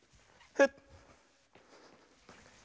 フッ。